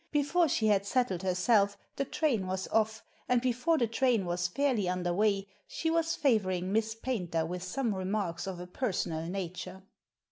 Before she had settled herself the train was off, and before the train was fairly under way she was favouring Miss Paynter with some remarks of a personal nature.